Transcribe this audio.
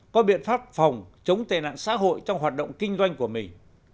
có biện pháp phòng chống tệ nạn xã hội trong hoạt động kinh doanh của mình